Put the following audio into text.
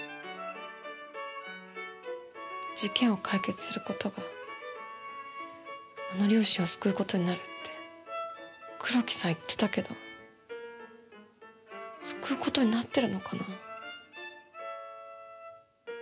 事件を解決する事があの両親を救う事になるって黒木さん言ってたけど救う事になってるのかな。